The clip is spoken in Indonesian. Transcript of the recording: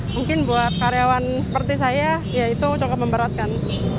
mungkin buat karyawan seperti saya ya itu cukup memberatkan